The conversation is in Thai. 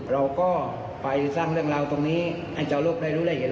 เราก็ไปสร้างเรื่องราวตรงนี้ให้ชาวโลกได้รู้ได้เห็น